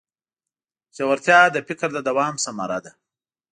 ژورتیا د فکر د دوام ثمره ده.